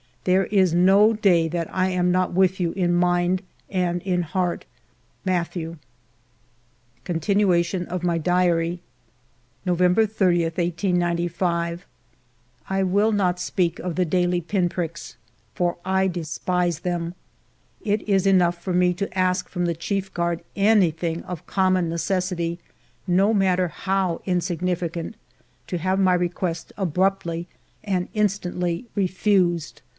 There is no day that I am not with you in mind and in heart. Mathieu." Continuation of my Diary November 1^0^ ^^^^^ I will not speak of the daily pin pricks, for I despise them. It is enough for me to ask from the chief guard anything of common necessity, no matter how insignificant, to have my request abruptly and instantly refused.